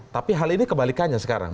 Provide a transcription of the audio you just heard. tapi hal ini kebalikannya sekarang